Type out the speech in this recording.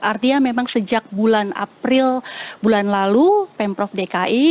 artinya memang sejak bulan april bulan lalu pemprov dki